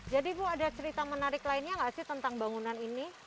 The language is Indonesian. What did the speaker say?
jadi bu ada cerita menarik lainnya gak sih tentang bangunan ini